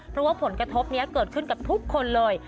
เพราะว่าผลกระทบนี้เกิดขึ้นกับทุกคนเลย